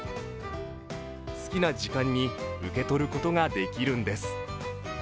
好きな時間に受け取ることができるんです。